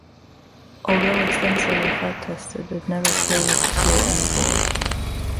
Although extensively flight tested, it never flew with a crew on board.